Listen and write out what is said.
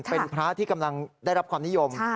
เป็นพระที่กำลังได้รับความนิยม